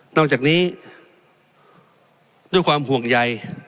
อกจากนี้ด้วยความห่วงใย